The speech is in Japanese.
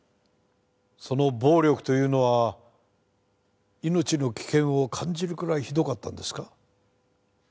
その暴力というのは命の危険を感じるくらいひどかったんですか？